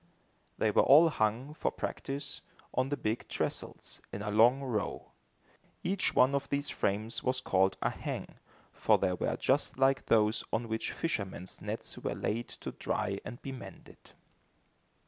They were all hung, for practice, on the big trestles, in a long row. Each one of these frames was called a "hang," for they were just like those on which fishermen's nets were laid to dry and be mended.